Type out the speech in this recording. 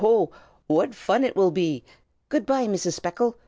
ho! what fun it will be! Good by, Mrs. Speckle!